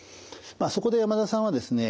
そこで山田さんはですね